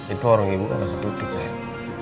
itu orang ibu yang aku tutup kan